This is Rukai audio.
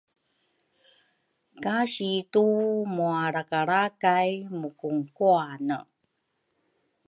ka situ mualrakalrakay mukungkuane.